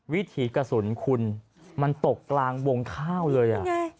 วิถีกระสุนคุณมันตกกลางวงข้าวเลย